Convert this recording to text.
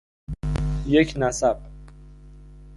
یک نسق